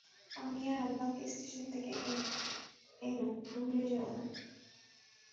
আম্মি আর আব্বাকে স্টেশন থেকে এনো ভুলে যেও না।